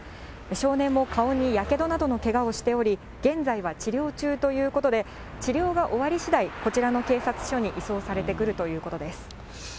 少年も顔にやけどなどのけがをしており、現在は治療中ということで、治療が終わりしだい、こちらの警察署に移送されてくるということです。